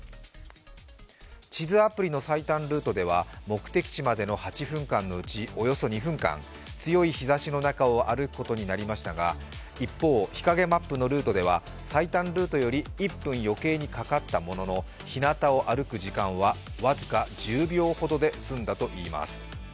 地図アプリの最短ルートでは目的地までの８分間のうち、およそ２分間、強い日ざしの中を歩くことになりましたが一方、日陰マップのルートでは最短ルートより１分余計にかかったもののひなたを歩く時間は僅か１０秒ほどで済んだといいます。